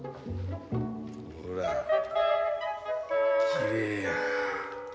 ほらきれいやが。